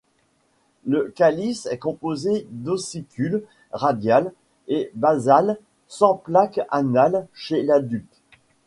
Le calice est composé d'ossicules radiales et basales sans plaques anale chez l'adulte.